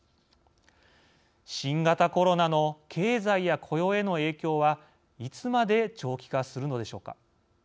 新型コロナの経済や雇用への影響はいつまで長期化するのでしょうか。